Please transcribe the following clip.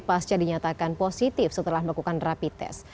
pasca dinyatakan positif setelah melakukan repit tes